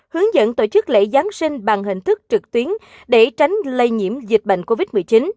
hướng dẫn tổ chức lễ giáng sinh bằng hình thức trực tuyến để tránh lây nhiễm dịch bệnh covid một mươi chín